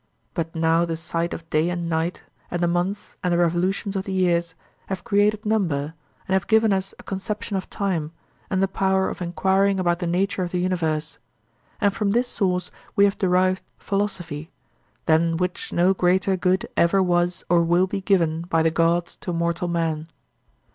But now the sight of day and night, and the months and the revolutions of the years, have created number, and have given us a conception of time, and the power of enquiring about the nature of the universe; and from this source we have derived philosophy, than which no greater good ever was or will be given by the gods to mortal man.